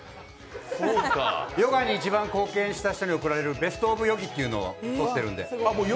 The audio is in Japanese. ヨガに一番貢献した人に贈られるベスト・オブ・ヨギーっていうのを取ってるんで。